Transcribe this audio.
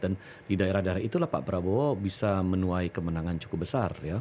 dan di daerah daerah itulah pak prabowo bisa menuai kemenangan cukup besar